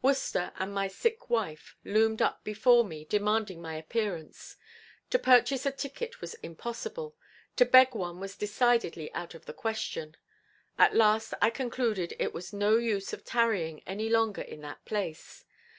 Worcester and my sick wife loomed up before me demanding my appearance. To purchase a ticket was impossible, to beg one was decidedly out of the question. At last I concluded it was no use of tarrying any longer in that place.